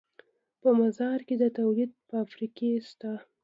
په مزار کې د تولید فابریکې شته